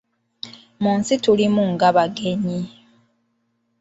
Mu nsi tulimu nga bagenyi.